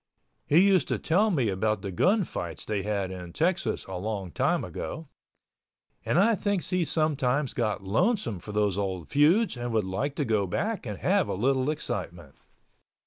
He used to tell me about the gun fights they had in Texas a long time ago ... and I think he sometimes got lonesome for those old feuds and would like to go back and have a little excitement.